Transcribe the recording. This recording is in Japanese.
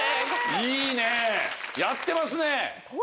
いいねやってますね。